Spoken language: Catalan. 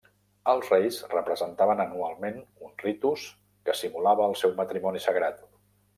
Els reis representaven anualment un ritu que simulava el seu matrimoni sagrat.